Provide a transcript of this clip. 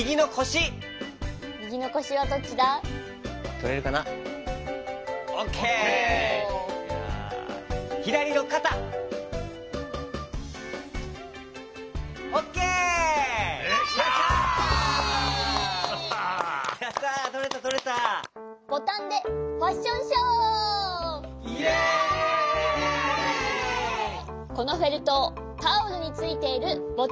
このフェルトをタオルについているボタンにつけてみよう。